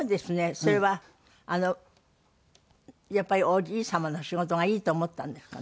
それはやっぱりおじい様の仕事がいいと思ったんですかね？